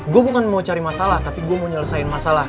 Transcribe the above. gue bukan mau cari masalah tapi gue mau nyelesain masalah